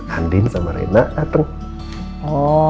karena ada anak anak yang ada di sekolahnya rena